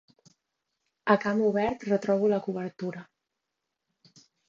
A camp obert retrobo la cobertura.